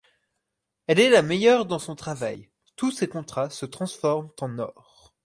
Elle est la meilleure dans son travail, tous ses contrats se transforment en or.